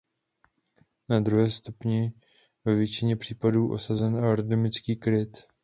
Na druhém stupni je ve většině případů osazen aerodynamický kryt.